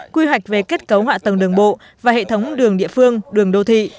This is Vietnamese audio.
quy hoạch về kết cấu hạ tầng đường bộ và hệ thống đường địa phương đường đô thị